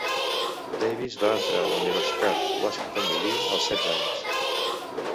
Davis va entrar a la Universitat Washington i Lee als setze anys.